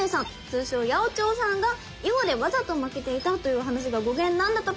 通称八百長さんが囲碁でわざと負けていたという話が語源なんだとか。